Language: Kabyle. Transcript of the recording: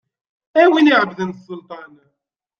A win iɛebbden sselṭan.